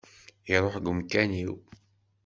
Iruḥ deg umkan-iw.